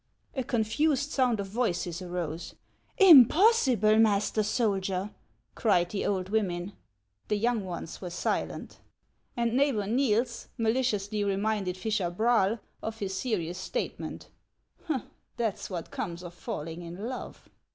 A confused sound of voices arose :" Impossible, master soldier," cried the old women. The young ones were silent; and Neighbor Xiels maliciously reminded fisher Braal of his serious statement :" That 's what comes of falling in love!"